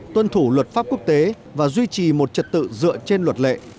tuân thủ luật pháp quốc tế và duy trì một trật tự dựa trên luật lệ